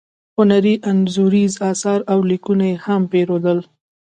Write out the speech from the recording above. هنري انځوریز اثار او لیکونه یې هم پیرودل.